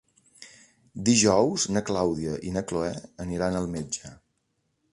Dijous na Clàudia i na Cloè aniran al metge.